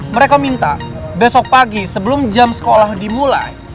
mereka minta besok pagi sebelum jam sekolah dimulai